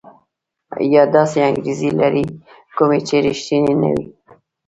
یا داسې انګېزې لري کومې چې ريښتيني نه وي.